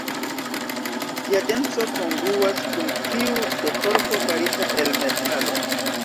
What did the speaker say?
Ĝia denso kongruas kun tiu de korpo farita el metalo.